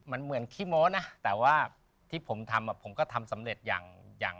มันเหมือนขี้โม้นะแต่ว่าที่ผมทำผมก็ทำสำเร็จอย่างอย่าง